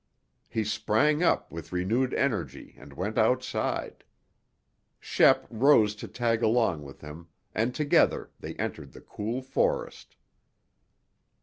He sprang up with renewed energy and went outside. Shep rose to tag along with him and together they entered the cool forest.